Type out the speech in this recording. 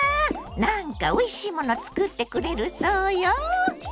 なんかおいしいもの作ってくれるそうよ！